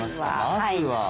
まずは。